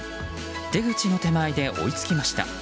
出口の手前で追いつきました。